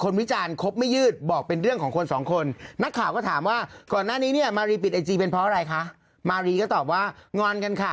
นะฮะกันก็บอกโทรมาทำไมเอ้าเอ้าหลายนักน้ำฮะ